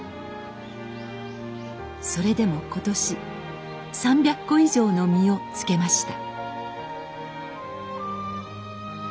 それでも今年３００個以上の実をつけました。